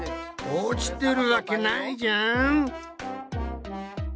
落ちてるわけないじゃん！